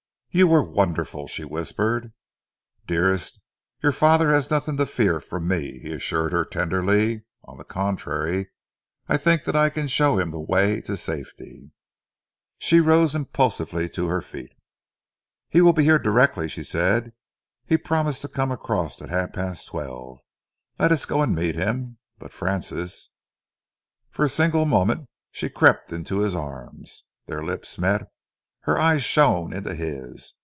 "You were wonderful," she whispered. "Dearest, your father has nothing to fear from me," he assured her tenderly. "On the contrary, I think that I can show him the way to safety." She rose impulsively to her feet. "He will be here directly," she said. "He promised to come across at half past twelve. Let us go and meet him. But, Francis " For a single moment she crept into his arms. Their lips met, her eyes shone into his.